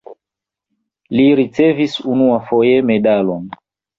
Li ricevis unuafoje medalon.